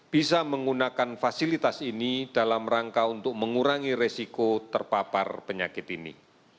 bisa menggunakan fasilitas ini dalam rangka untuk mengurangi resiko terpapar penyakit ini